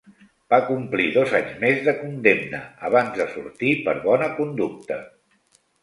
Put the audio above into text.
Va complir dos anys més de condemna abans de sortir per bona conducta.